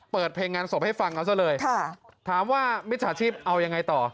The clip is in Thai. เปิดเพลงงานศพให้ฟังเอาซะเลยค่ะถามว่ามิจฉาชีพเอายังไงต่อ